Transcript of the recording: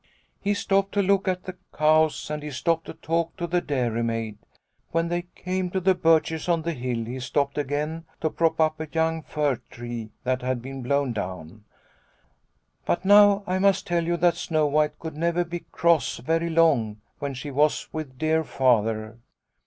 " He stopped to look at the cows and he stopped to talk to the dairy maid. When they came to the birches on the hill, he stopped again to prop up a young fir tree that had been blown down. " But now I must tell you that Snow White could never be cross very long when she was with dear Father.